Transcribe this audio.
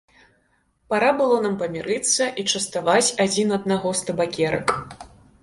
Пара было нам памірыцца і частаваць адзін аднаго з табакерак.